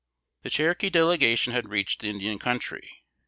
] The Cherokee Delegation had reached the Indian country.